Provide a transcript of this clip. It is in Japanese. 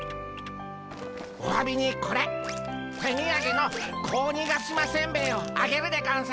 おわびにこれ手みやげの子鬼ヶ島せんべいをあげるでゴンス。